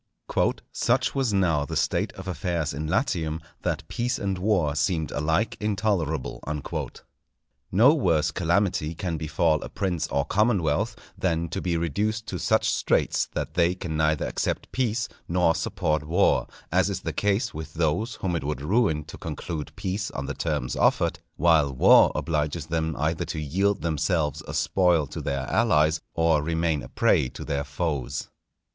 _ "Such was now the state of affairs in Latium, that peace and war seemed alike intolerable." No worse calamity can befall a prince or commonwealth than to be reduced to such straits that they can neither accept peace nor support war; as is the case with those whom it would ruin to conclude peace on the terms offered, while war obliges them either to yield themselves a spoil to their allies, or remain a prey to their foes.